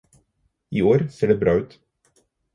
I år ser det bra ut.